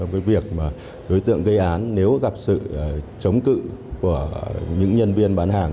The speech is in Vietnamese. với việc đối tượng gây án nếu gặp sự chống cự của những nhân viên bán hàng